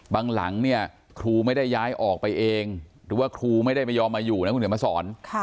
หลังเนี่ยครูไม่ได้ย้ายออกไปเองหรือว่าครูไม่ได้ไม่ยอมมาอยู่นะคุณเดี๋ยวมาสอน